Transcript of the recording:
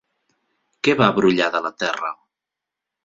Què va brollar de la terra?